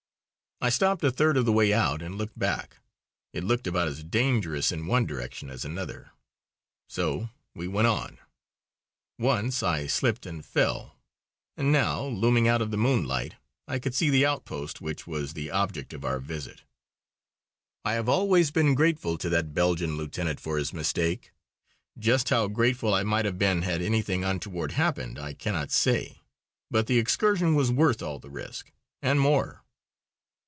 I stopped, a third of the way out, and looked back. It looked about as dangerous in one direction as another. So we went on. Once I slipped and fell. And now, looming out of the moonlight, I could see the outpost which was the object of our visit. I have always been grateful to that Belgian lieutenant for his mistake. Just how grateful I might have been had anything untoward happened, I cannot say. But the excursion was worth all the risk, and more.